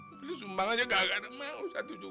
beli sumbang aja kagak ada mau satu juga